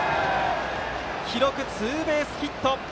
記録はツーベースヒット。